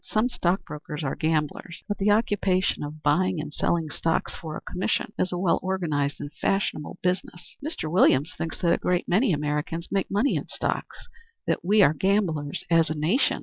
Some stock brokers are gamblers; but the occupation of buying and selling stocks for a commission is a well recognized and fashionable business." "Mr. Williams thinks that a great many Americans make money in stocks that we are gamblers as a nation."